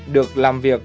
được làm việc